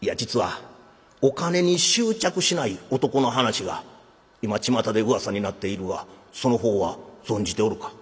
いや実はお金に執着しない男の話が今ちまたでうわさになっているはその方は存じておるか？」。